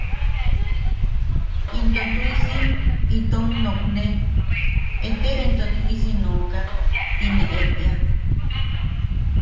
Into tu’isi itom nookne… “ete into tu’isi nooka” ti ne e’ea.